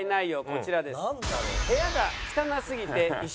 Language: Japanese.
こちらです。